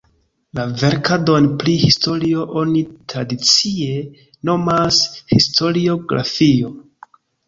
La verkadon pri historio oni tradicie nomas historiografio.